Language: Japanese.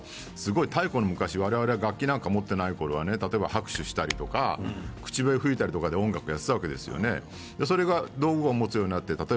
すごい太古の昔は、われわれは楽器を持っていなくて拍手をしたりとか口笛を吹いたりして音楽をやっていたわけですね。